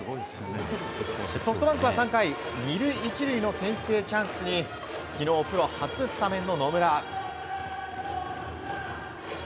ソフトバンクは３回２塁１塁の先制チャンスに昨日プロ初スタメンの野村。